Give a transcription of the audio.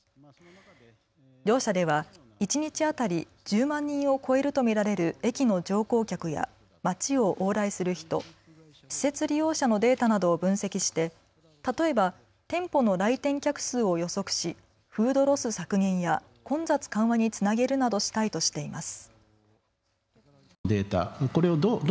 両社では一日当たり１０万人を超えると見られる駅の乗降客や街を往来する人、施設利用者のデータなどを分析して例えば店舗の来店客数を予測しフードロス削減や混雑緩和につなげるなどしたいとしています。